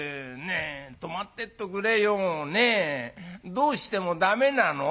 どうしてもだめなの？」。